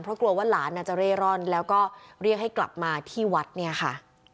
เพราะกลัวว่าหลานอาจจะเร่ร่อนแล้วก็เรียกให้กลับมาที่วัดเนี่ยค่ะ